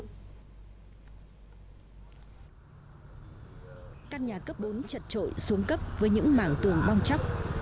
căn nhà cấp bốn chật trội xuống cấp với những mảng tường bong chóc